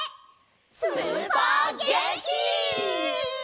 スーパーげんき！